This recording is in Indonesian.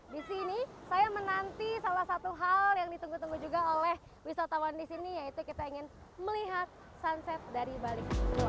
di sini saya menanti salah satu hal yang ditunggu tunggu juga oleh wisatawan di sini yaitu kita ingin melihat sunset dari bali